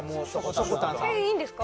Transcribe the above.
国語いいんですか？